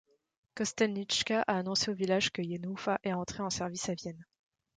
Kostelnička a annoncé au village que Jenůfa est entrée en service à Vienne.